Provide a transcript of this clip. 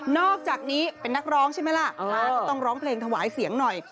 อกจากนี้เป็นนักร้องใช่ไหมล่ะก็ต้องร้องเพลงถวายเสียงหน่อย